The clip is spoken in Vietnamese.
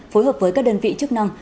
phối hợp với các đơn vị chức năng